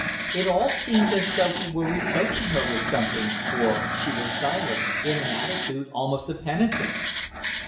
It all seemed as though he were reproaching her with something, for she was silent, in an attitude almost of penitence.